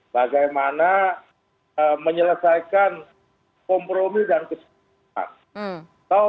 bagaimana menyelesaikan kompromi dan kesepakatan